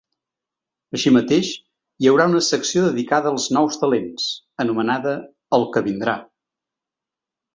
Així mateix, hi haurà una secció dedicada als nous talents, anomenada El que vindrà.